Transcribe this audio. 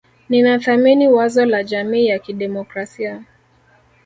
Ninathamini wazo la jamii ya kidemokrasia